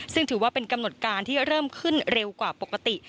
ซึ่งถือว่าเป็นกำหนดการที่เริ่มขึ้นเร็วกว่าปกติ